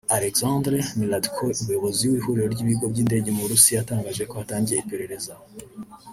Alexandre Neradko Umuyobozi w’ihuriro ry’ibigo by’indege mu Burusiya yatangaje ko hatangiye iperereza